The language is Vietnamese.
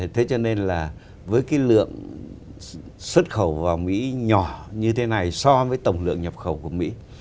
thế cho nên là với cái lượng xuất khẩu vào mỹ nhỏ như thế này so với tổng lượng nhập khẩu của mỹ